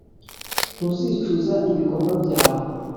ntuzicuza ibikorwa byawe.